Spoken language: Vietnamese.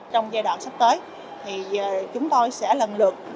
trong giai đoạn sắp tới thì chúng tôi sẽ lần lượt